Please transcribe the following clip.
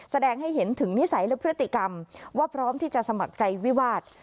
แสดงให้เห็นถึงนิสัยและพฤติกรรมว่าพร้อมที่จะสมัครใจวิวาส